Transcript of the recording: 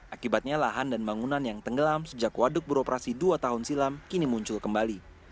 akibatnya lahan dan bangunan yang tenggelam sejak waduk beroperasi dua tahun silam kini muncul kembali